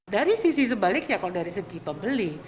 dari sisi sebalik ya kalau dari segi pembeli